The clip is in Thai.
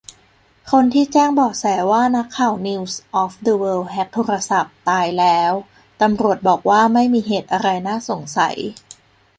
คนที่แจ้งเบาะแสว่านักข่าวนิวส์ออฟเดอะเวิลด์แฮ็กโทรศัพท์ ตายแล้ว ตำรวจบอกว่าไม่มีเหตุอะไรน่าสงสัย